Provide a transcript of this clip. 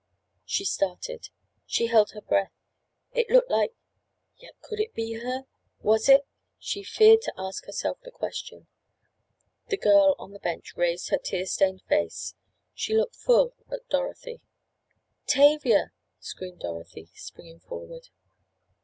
She started! She held her breath! It looked like—yet could it be her—was it—she feared to ask herself the question. The girl on the bench raised her tear stained face. She looked full at Dorothy. "Tavia!" screamed Dorothy, springing forward.